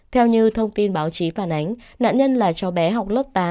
theo như thông tin báo chí phản ánh nạn nhân là cháu bé học lớp tám